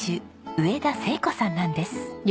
上田聖子さんなんです。